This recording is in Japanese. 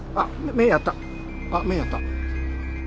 目やった。